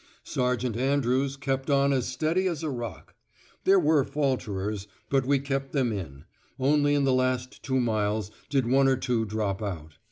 Sergeant Andrews kept on as steady as a rock. There were falterers, but we kept them in; only in the last two miles did one or two drop out.